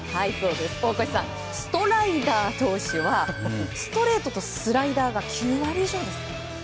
大越さん、ストライダー投手はストレートとスライダーが９割以上です。